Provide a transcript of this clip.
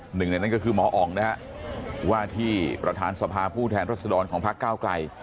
หนึ่งในนั้นก็คือหมออ๋องนะฮะว่าที่ประธานสภาผู้แทนรัศดรของพักเก้าไกล